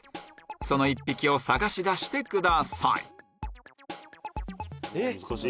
その１匹を探し出してください難しい。